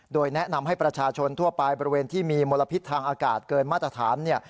โดยแนะนำให้ประชาชนทั่วไปบริเวณที่มีมลพิษทางอากาศเกินมาตรฐานเนี่ย